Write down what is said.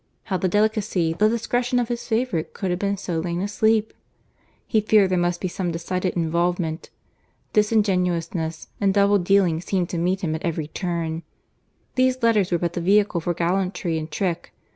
How the delicacy, the discretion of his favourite could have been so lain asleep! He feared there must be some decided involvement. Disingenuousness and double dealing seemed to meet him at every turn. These letters were but the vehicle for gallantry and trick.